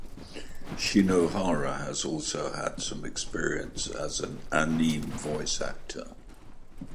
Shinohara has also had some experience as an anime voice actor.